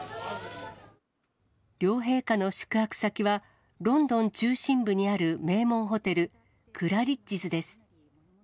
両陛下の宿泊先は、ロンドン中心部にある名門ホテル、クラリッジズです。